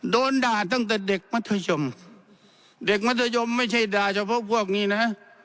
โดนด่าตั้งแต่เด็กมัธยมเด็กมัธยมไม่ใช่ด่าเฉพาะพวกนี้นะ